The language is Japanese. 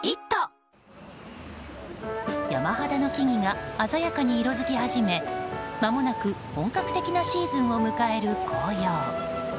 山肌の木々が鮮やかに色づき始めまもなく本格的なシーズンを迎える紅葉。